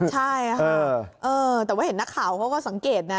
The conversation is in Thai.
ใช่ค่ะแต่ว่าเห็นนักข่าวเขาก็สังเกตนะ